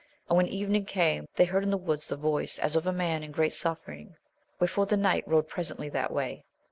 And when evening came, they heard in the wood the voice as of a man in great suffering ; where fore the knight rode presently that way.